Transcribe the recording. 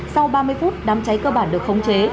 sau ba mươi phút đám cháy cơ bản được khống chế